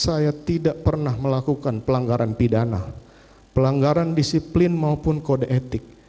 saya tidak pernah melakukan pelanggaran pidana pelanggaran disiplin maupun kode etik